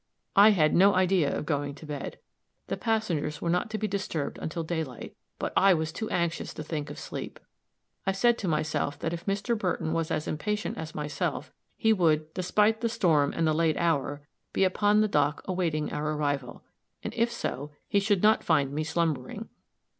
I had no idea of going to bed. The passengers were not to be disturbed until daylight; but I was too anxious to think of sleep; I said to myself that if Mr. Burton was as impatient as myself, he would, despite the storm and the late hour, be upon the dock awaiting our arrival; and if so, he should not find me slumbering.